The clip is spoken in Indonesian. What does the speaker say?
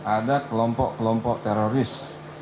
ada kelompok kelompok teroris